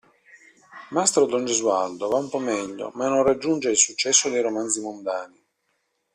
Mastro don Gesualdo va un po' meglio ma non raggiunge il successo dei romanzi mondani.